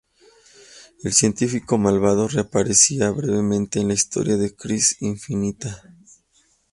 El científico malvado reaparecería brevemente en la historia de ""Crisis Infinita"".